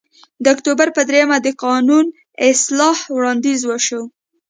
د اکتوبر په درېیمه د قانون اصلاح وړاندیز وشو